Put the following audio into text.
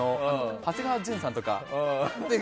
長谷川潤さんとか。